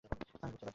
আমি বুঝতে পারছি!